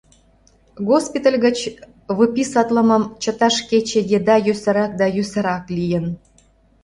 Госпиталь гыч выписатлымым чыташ кече еда йӧсырак да йӧсырак лийын.